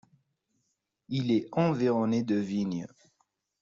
Il est environné de vignes.